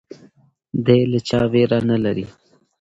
دی له چا ویره نه لري.